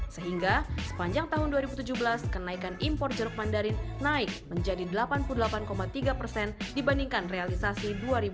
sehingga sepanjang tahun dua ribu tujuh belas kenaikan impor jeruk mandarin naik menjadi delapan puluh delapan tiga persen dibandingkan realisasi dua ribu delapan belas